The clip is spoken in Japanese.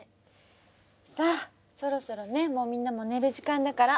さあそろそろねもうみんなも寝る時間だから。